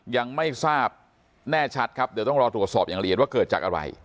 ยังไม่ทราบแน่ชัดครับเดี๋ยวต้องรอตรวจสอบอย่างละเอียดว่าเกิดจากอะไร